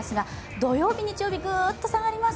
土曜日、日曜日、グッと下がります。